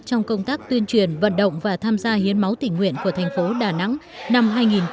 trong công tác tuyên truyền vận động và tham gia hiến máu tỉnh nguyện của thành phố đà nẵng năm hai nghìn một mươi chín